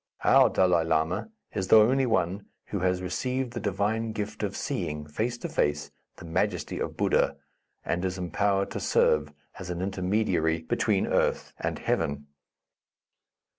Our Dalai Lama is the only one who has received the divine gift of seeing, face to face, the majesty of Buddha, and is empowered to serve as an intermediary between earth and heaven."